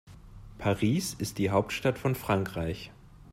Paris ist die Hauptstadt von Frankreich.